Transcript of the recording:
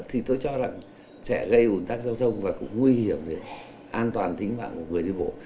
thì tôi cho rằng sẽ gây ủn tắc giao thông và cũng nguy hiểm an toàn tính mạng của người đi bộ